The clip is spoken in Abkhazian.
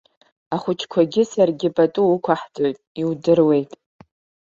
Ахәыҷқәагьы саргьы пату уқәаҳҵоит, иудыруеит.